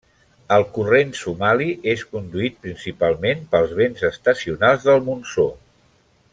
El Corrent somali és conduït principalment pels vents estacionals del monsó.